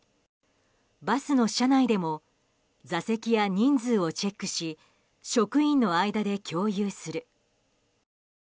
バスの車内でも座席や人数をチェックし職員の間で共有する。